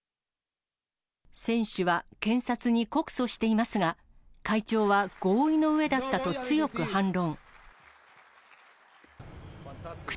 選手は検察に告訴していますが、会長は合意の上だったと強く反論。